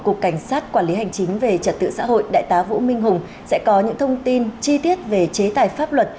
cục cảnh sát quản lý hành chính về trật tự xã hội đại tá vũ minh hùng sẽ có những thông tin chi tiết về chế tài pháp luật